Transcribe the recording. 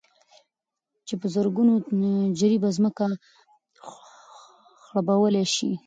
چې په زرگونو جرېبه ځمكه خړوبولى شي،